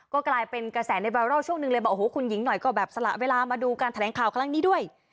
ก็กลายเป็นกระแสในไวรัลช่วงหนึ่งเลยบอกโอ้โหคุณหญิงหน่อยก็แบบสละเวลามาดูการแถลงข่าวครั้งนี้ด้วย